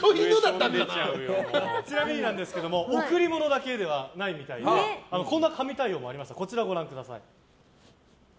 ちなみに贈り物だけではないみたいでこんな神対応もありました。